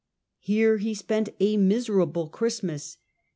Here he spent a miserable Christ mas.